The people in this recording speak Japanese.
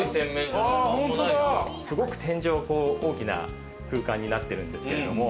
すごく天井が大きな空間になっているんですけれども。